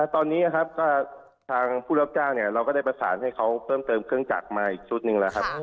ตอนนี้นะครับก็ทางผู้รับจ้างเราก็ได้ประสานให้เขาเพิ่มเติมเครื่องจักรมาอีกชุดหนึ่งแล้วครับ